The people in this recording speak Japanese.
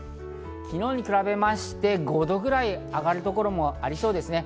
昨日に比べまして、５度ぐらい上がる所もありそうです。